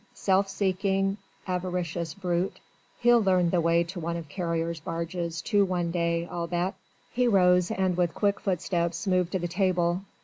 Self seeking, avaricious brute! He'll learn the way to one of Carrier's barges too one day, I'll bet." He rose and with quick footsteps moved to the table.